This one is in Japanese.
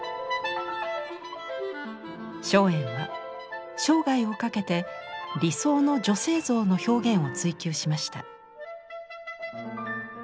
松園は生涯をかけて理想の女性像の表現を追求しました。